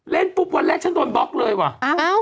ปุ๊บวันแรกฉันโดนบล็อกเลยว่ะ